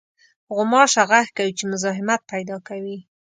غوماشه غږ کوي چې مزاحمت پېدا کوي.